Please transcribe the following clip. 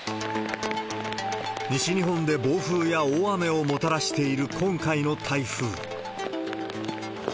西日本で暴風や大雨をもたらしている今回の台風。